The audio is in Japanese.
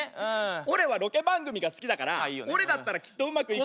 俺はロケ番組が好きだから俺だったらきっとうまくいくと思う。